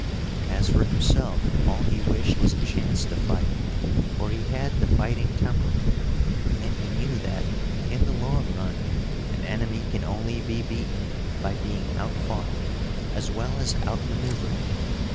As for himself, all he wished was a chance to fight, for he had the fighting temperament, and he knew that, in the long run, an enemy can only be beaten by being out fought, as well as out manoeuvered.